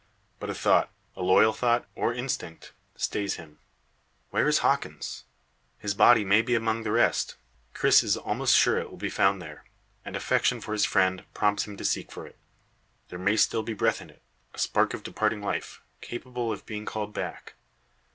But a thought a loyal thought or instinct, stays him. Where is Hawkins? His body may be among the rest Cris is almost sure it will be found there and affection for his friend prompts him to seek for it. There may still be breath in it a spark of departing life, capable of being called back.